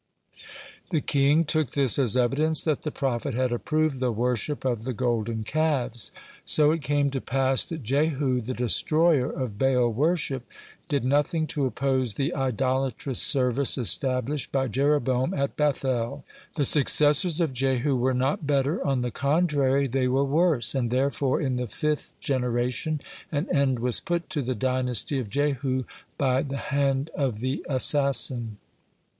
The king took this as evidence that the prophet had approved the worship of the golden calves. So it came to pass that Jehu, the destroyer of Baal worship, did nothing to oppose the idolatrous service established by Jeroboam at Beth el. (4) The successors of Jehu were not better; on the contrary, they were worse, and therefore in the fifth generation (5) an end was put to the dynasty of Jehu by the hand of the assassin.